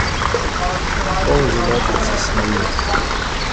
Poln želodec se smeji.